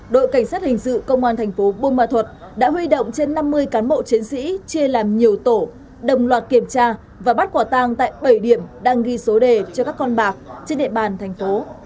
đội cảnh sát hình sự công an tp hcm đã huy động trên năm mươi cán bộ chiến sĩ chia làm nhiều tổ đồng loạt kiểm tra và bắt quả tang tại bảy điểm đang ghi số đề cho các con bạc trên địa bàn thành phố